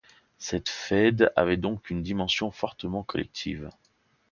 Cette faide avait donc une dimension fortement collective.